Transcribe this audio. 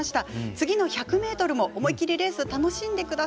次の１００ｍも、思い切りレース楽しんでください。